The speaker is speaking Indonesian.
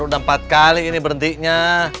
udah empat kali ini berhenti nya